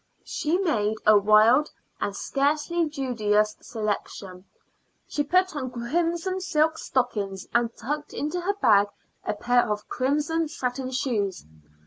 She made a wild and scarcely judicious selection. She put on crimson silk stockings, and tucked into her bag a pair of crimson satin shoes.